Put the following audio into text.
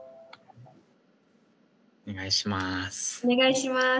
お願いします。